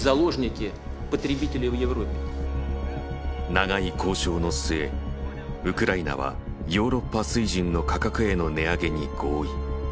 長い交渉の末ウクライナはヨーロッパ水準の価格への値上げに合意。